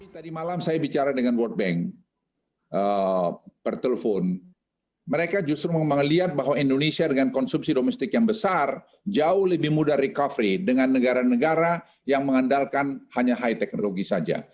tadi malam saya bicara dengan world bank pertelpon mereka justru melihat bahwa indonesia dengan konsumsi domestik yang besar jauh lebih mudah recovery dengan negara negara yang mengandalkan hanya high technology saja